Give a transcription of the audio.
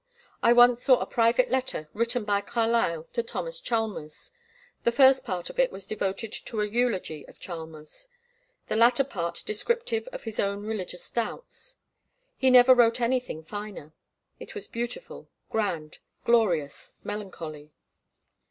I once saw a private letter, written by Carlyle to Thomas Chalmers. The first part of it was devoted to a eulogy of Chalmers, the latter part descriptive of his own religious doubts. He never wrote anything finer. It was beautiful, grand, glorious, melancholy.